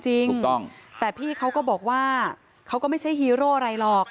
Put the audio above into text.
จริงถูกต้องแต่พี่เขาก็บอกว่าเขาก็ไม่ใช่ฮีโร่อะไรหรอก